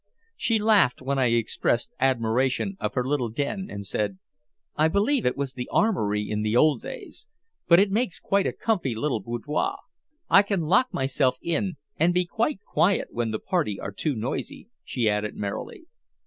She laughed when I expressed admiration of her little den, and said "I believe it was the armory in the old days. But it makes quite a comfy little boudoir. I can lock myself in and be quite quiet when the party are too noisy," she added merrily.